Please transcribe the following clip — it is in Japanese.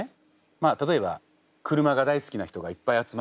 まあ例えば車が大好きな人がいっぱい集まって。